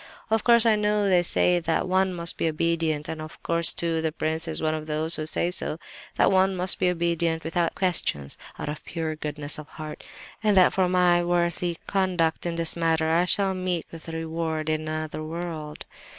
"Of course I know they say that one must be obedient, and of course, too, the prince is one of those who say so: that one must be obedient without questions, out of pure goodness of heart, and that for my worthy conduct in this matter I shall meet with reward in another world.